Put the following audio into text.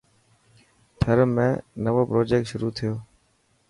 ٿر ۾ نوو پروجيڪٽ شروع ٿيو هي.